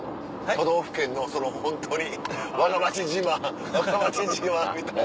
都道府県のそのホントにわが町自慢わが町自慢みたいな。